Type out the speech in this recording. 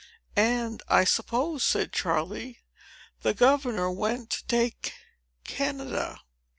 "And I suppose," said Charley, "the governor went to take Canada."